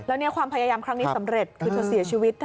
แล้วเนี่ยความพยายามครั้งนี้สำเร็จคือเธอเสียชีวิต